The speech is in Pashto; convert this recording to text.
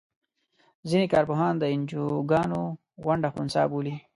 ځینې کار پوهان د انجوګانو ونډه خنثی بولي.